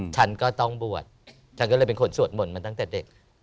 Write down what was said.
ฉันก็ต้องบวชฉันก็เลยเป็นคนสวดมนต์มาตั้งแต่เด็ก